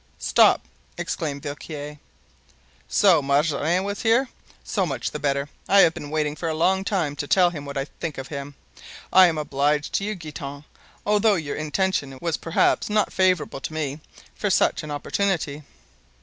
"Stop," exclaimed Villequier, "so Mazarin was here! so much the better. I have been waiting for a long time to tell him what I think of him. I am obliged to you Guitant, although your intention was perhaps not very favorable to me, for such an opportunity."